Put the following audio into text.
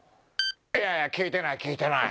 いやいや聞いてない聞いてない。